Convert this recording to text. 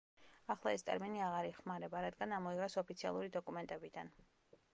ახლა ეს ტერმინი აღარ იხმარება, რადგან ამოიღეს ოფიციალური დოკუმენტებიდან.